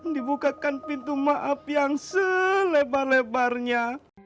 dibukakan pintu maaf yang selebar lebarnya